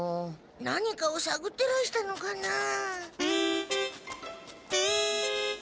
何かをさぐってらしたのかなあ。